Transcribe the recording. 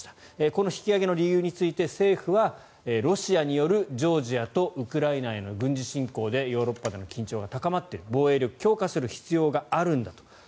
この引き上げの理由について政府はロシアによるジョージアとウクライナへの軍事侵攻でヨーロッパでの緊張が高まっている防衛力を強化する必要があるんだと。